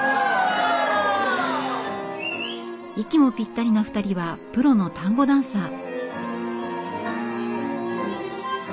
息もぴったりの２人はプロのタンゴダンサー。